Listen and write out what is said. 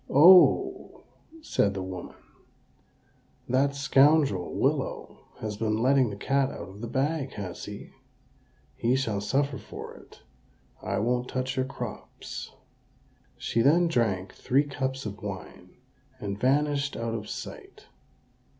"Oho!" said the woman, "that scoundrel, Willow, has been letting the cat out of the bag, has he? He shall suffer for it: I won't touch your crops." She then drank three cups of wine, and vanished out of sight.